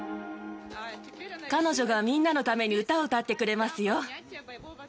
彼女がみんなのために歌を歌ってくれますよ。